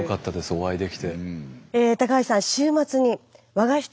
お会いできて。